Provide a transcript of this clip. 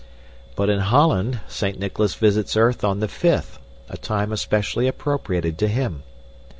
But in Holland, Saint Nicholas visits earth on the fifth, a time especially appropriated to him.